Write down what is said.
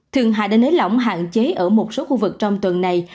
thường hại đến lấy lỏng hạn chế ở một số khu vực trong tuần này